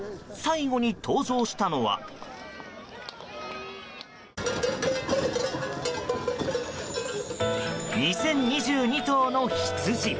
最後に登場したのは２０２２頭の羊。